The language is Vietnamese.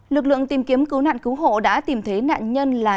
lực lượng tìm kiếm cứu nạn cứu hộ đã tìm thấy nạn nhân là